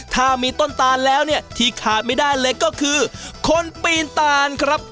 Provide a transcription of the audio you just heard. ถ้ามีต้นตานแล้วเนี่ยที่ขาดไม่ได้เลยก็คือคนปีนตานครับ